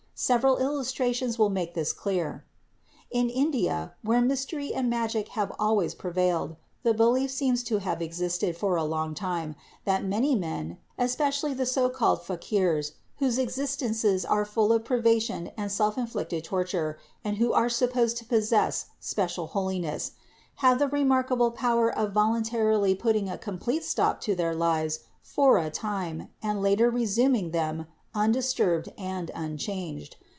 Several illustrations will make this clear. In India, where mystery and magic have always prevailed, the belief seems to have existed for a long time that many men, especially the so called fakirs whose existences are full of privation and self inflicted torture and who are supposed to possess special holiness, have the remarkable power of voluntarily putting a complete stop to their lives for a time and later resuming them undisturbed and un changed.